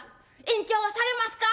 延長されますか」。